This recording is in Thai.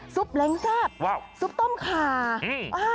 ซุปแหลงซาบซุปต้มขา